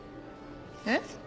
えっ？